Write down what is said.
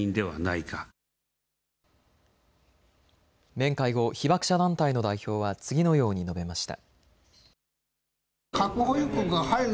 面会後、被爆者団体の代表は次のように述べました。